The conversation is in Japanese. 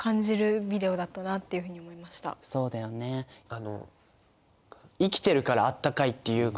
あの生きてるからあったかいっていう言葉。